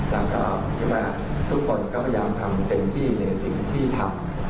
แล้วก็คิดว่าทุกคนก็พยายามทำเต็มที่ในสิ่งที่ทำ